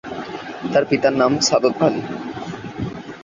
তার পিতার নাম সাদত আলী।